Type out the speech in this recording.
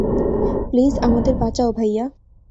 Please, আমাদের বাঁচাও, ভাইয়া!